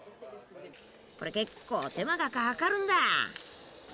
これ結構手間がかかるんだ。